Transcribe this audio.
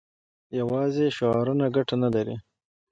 یوازې شعارونه ګټه نه لري.